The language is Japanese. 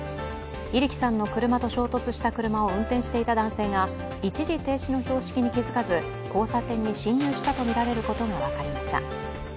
入来さんの車と衝突した車を運転していた男性が一時停止の標識に気づかず、交差点に進入したとみられることが分かりました。